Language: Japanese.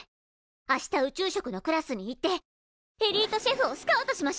明日宇宙食のクラスに行ってエリートシェフをスカウトしましょう！